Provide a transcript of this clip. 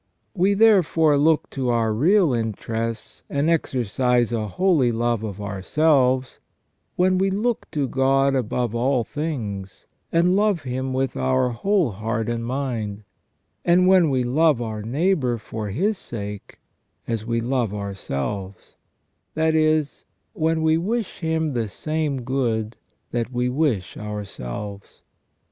We therefore look to our real interests, and exercise a holy love of ourselves, when we look to God above all things, and love Him with our whole heart and mind ; and when we love our neighbour for His sake as we love ourselves, that is, when we wish him the same good that we wish ourselves.